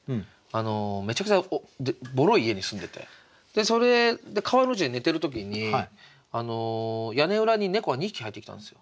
めちゃくちゃボロい家に住んでてそれで川の字で寝てる時に屋根裏に猫が２匹入ってきたんですよ